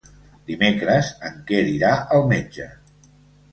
Dimecres en Quer irà al metge.